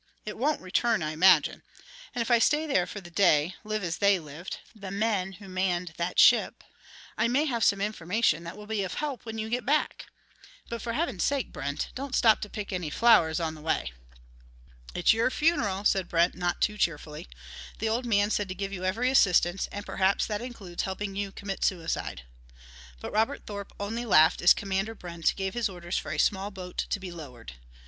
It won't return, I imagine. And if I stay there for the day live as they lived, the men who manned that ship I may have some information that will be of help when you get back. But for Heaven's sake, Brent, don't stop to pick any flowers on the way." "It's your funeral," said Brent not too cheerfully. "The old man said to give you every assistance, and perhaps that includes helping you commit suicide." But Robert Thorpe only laughed as Commander Brent gave his orders for a small boat to be lowered.